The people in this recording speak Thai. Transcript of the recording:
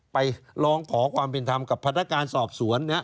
ไปร้องขอความเป็นธรรมกับพนักการสอบสวน